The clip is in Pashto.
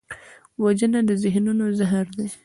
وژنه د ذهنونو زهر دی